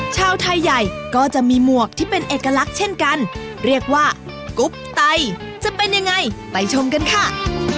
ชาวไทยใหญ่ก็จะมีหมวกที่เป็นเอกลักษณ์เช่นกันเรียกว่ากรุ๊ปไตจะเป็นยังไงไปชมกันค่ะ